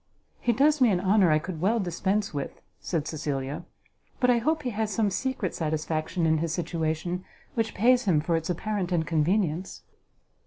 "He does me an honour I could well dispense with," said Cecilia; "but I hope he has some secret satisfaction in his situation which pays him for its apparent inconvenience."